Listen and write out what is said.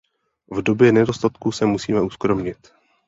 V době nedostatku se musíme uskromnit.